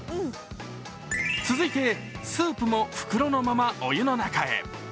続いて、スープも袋のままお湯の中へ。